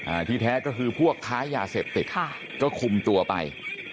ที่แท้ก็คือพวกค้ายาเสพติดค่ะก็คุมตัวไป